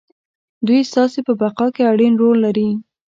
دوی ستاسې په بقا کې اړين رول لري.